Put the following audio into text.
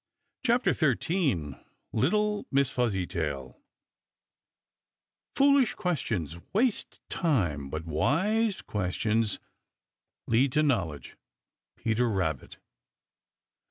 CHAPTER XIII LITTLE MISS FUZZYTAIL Foolish questions waste time, but wise questions lead to knowledge. Peter Rabbit.